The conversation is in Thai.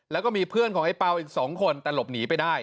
แล้วก็มีเพื่อนของไอ้เปล่าอีก๒คนแต่หลบหนีไปได้